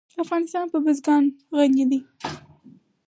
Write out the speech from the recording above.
افغانستان په بزګان غني دی.